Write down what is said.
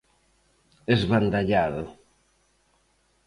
Esbandallado.